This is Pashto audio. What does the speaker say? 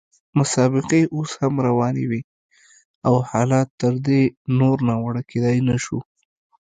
مسابقې اوس هم روانې وې او حالت تر دې نور ناوړه کېدای نه شو.